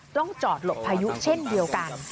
ต้องจอดหลบพายุเช่นเดียวกัน